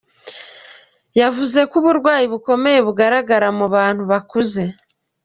Yavuze ko uburwayi bukomeye bugaragara mu bantu bakuze.